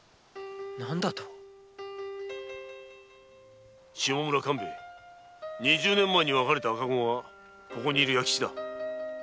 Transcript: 何だと下村勘兵衛二十年前に別れた赤子がここにいる弥吉だ。